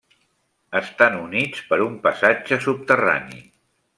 Estan units per un passatge subterrani.